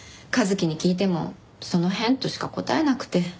一輝に聞いても「その辺」としか答えなくて。